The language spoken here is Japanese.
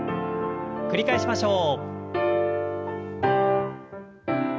繰り返しましょう。